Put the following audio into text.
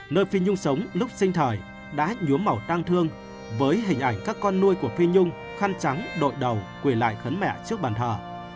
nơi phi nhung sống lúc sinh thời đã nhuốm màu tang thương với hình ảnh các con nuôi của phi nhung khăn trắng đội đầu quầy lại khấn mẹ trước bàn thờ